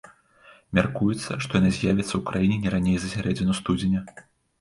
Мяркуецца, што яна з'явіцца ў краіне не раней за сярэдзіну студзеня.